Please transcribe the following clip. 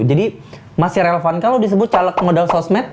jadi masih relevan kan lo disebut caleg modal sosmed